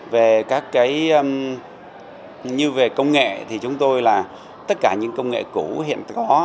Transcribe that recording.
về các cái như về công nghệ thì chúng tôi là tất cả những công nghệ cũ hiện có